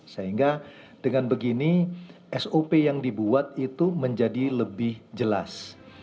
sehingga dengan begini sop yang dibuat itu menjadi lebih jelas